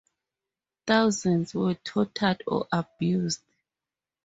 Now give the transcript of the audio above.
Thousands were tortured or abused.